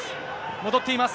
戻っています。